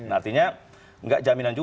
artinya nggak jaminan juga